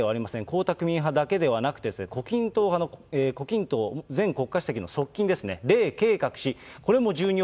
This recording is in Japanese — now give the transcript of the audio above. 江沢民派だけではなくて、胡錦涛派の胡錦涛前国家主席の側近ですね。